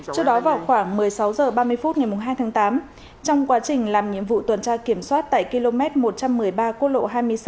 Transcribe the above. trước đó vào khoảng một mươi sáu h ba mươi phút ngày hai tháng tám trong quá trình làm nhiệm vụ tuần tra kiểm soát tại km một trăm một mươi ba quốc lộ hai mươi sáu